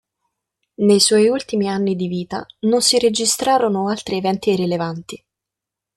Nei suoi ultimi anni di vita non si registrarono altri eventi rilevanti.